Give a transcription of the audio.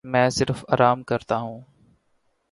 میں صرف آرام کرتا ہوں۔